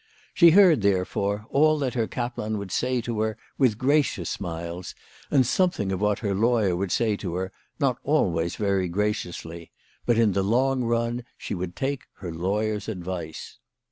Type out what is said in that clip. She heard, therefore, all that her kaplan would say to her with gracious smiles, and something of what her lawyer would say to her, not always very graciously ; but in the long run she would take her lawyer's advice.